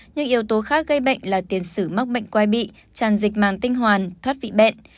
những yếu tố khác gây bệnh là tiền sử mắc bệnh quay bị tràn dịch màng tinh hoàn thoát vị bệnh